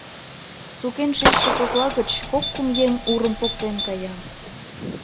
Сукен шичше кокла гыч кок-кум еҥ Урым поктен кая.